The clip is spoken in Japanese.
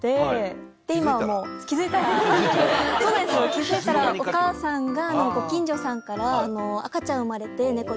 気付いたらお母さんが。